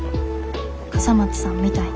笠松さんみたいに。